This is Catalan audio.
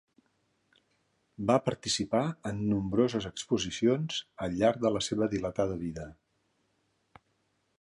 Va participar en nombroses exposicions al llarg de la seua dilatada vida.